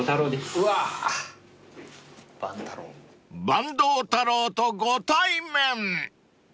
［坂東太郎とご対面］